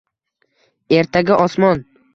Ertaga osmon…»